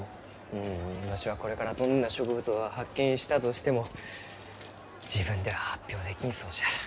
うんわしがこれからどんな植物を発見したとしても自分では発表できんそうじゃ。